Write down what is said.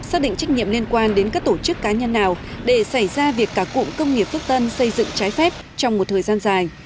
xác định trách nhiệm liên quan đến các tổ chức cá nhân nào để xảy ra việc cả cụm công nghiệp phước tân xây dựng trái phép trong một thời gian dài